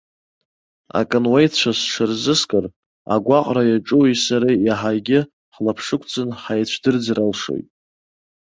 Акануеицәа сҽырзыскыр, агәаҟра иаҿуи сареи иаҳагьы ҳлаԥшықәҵан ҳаицәдырӡыр алшоит.